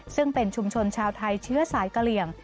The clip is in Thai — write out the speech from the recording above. ซึ่งเป็นชุมชนชาวไทยเชื้อสายกะเหลี่ยง